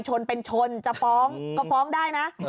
ชนเป็นชนชว่องก็ฟองได้นะ